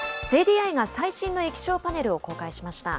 ＪＤＩが最新の液晶パネルを公開しました。